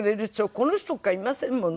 この人しかいませんもの。